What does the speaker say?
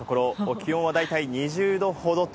気温は大体２０度ほどと。